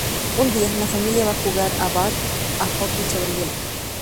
Un día, la familia va a ver jugar a Bart a hockey sobre hielo.